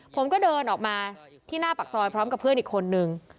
ผมก็เดินออกมาที่หน้าปากซอยพร้อมกับเพื่อนอีกคนนึง